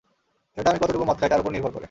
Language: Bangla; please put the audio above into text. সেটা আমি কতটুকু মদ খাই তার উপর নির্ভর করে।